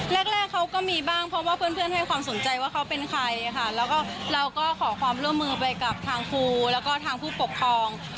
แรกเขาก็มีบ้างเพราะว่าเพื่อนเพื่อนให้ความสนใจว่าเขาเป็นใครค่ะแล้วก็เราก็ขอความร่วมมือไปกับทางครูแล้วก็ทางผู้ปกครอง